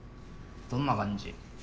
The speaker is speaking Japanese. どんな感じ？